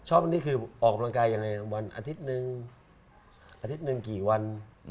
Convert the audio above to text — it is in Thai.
นี่คือออกกำลังกายยังไงวันอาทิตย์หนึ่งอาทิตย์หนึ่งกี่วัน